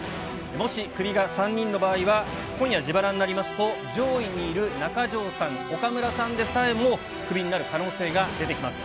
もしクビが３人の場合は、今夜、自腹になりますと、上位にいる中条さん、岡村さんでさえも、クビになる可能性が出てきます。